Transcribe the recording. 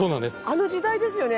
あの時代ですよね？